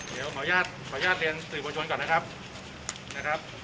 เดี๋ยวขออนุญาตสื่อประชนพ่อของผมก่อนนะครับ